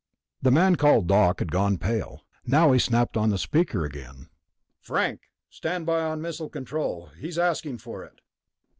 The man called Doc had gone pale. Now he snapped on the speaker again. "Frank? Stand by on missile control. He's asking for it."